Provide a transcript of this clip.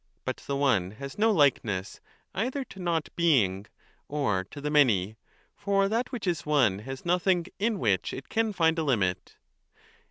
But the One has no likeness either to Not being or to the Many ; for that which is one has nothing in which it can find a limit.